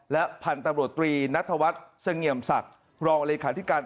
และพันตำรวจตรีนัทธวัฒน์เสงี่ยมศักดิ์